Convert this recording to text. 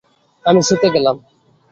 আমি শুতে গেলাম।